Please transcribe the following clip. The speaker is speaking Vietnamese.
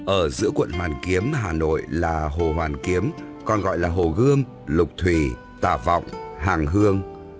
ở giữa quận hoàn kiếm hà nội là hồ hoàn kiếm còn gọi là hồ gươm lục thủy tà vọng hàng hương